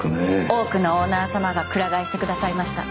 多くのオーナー様がくら替えしてくださいました。